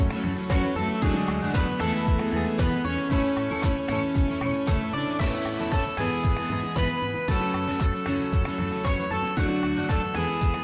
สวัสดีครับ